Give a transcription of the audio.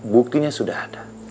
buktinya sudah ada